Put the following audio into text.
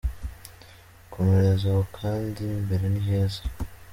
Komereza aho kandi imbere ni heza.